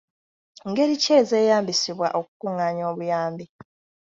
Ngeri ki ezeeyambisibwa okukungaanya obuyambi?